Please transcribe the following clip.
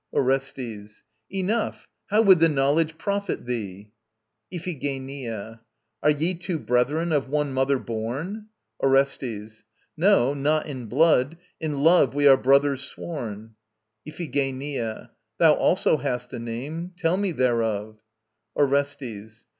ORESTES. Enough! How would the knowledge profit thee? IPHIGENIA. Are ye two brethren of one mother born? ORESTES. No, not in blood. In love we are brothers sworn. IPHIGENIA. Thou also hast a name: tell me thereof. ORESTES.